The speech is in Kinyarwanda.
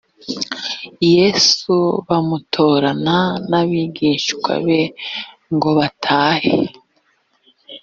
yesu bamutorana n abigishwa be ngo batahe